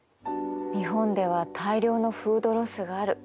日本では大量のフードロスがある。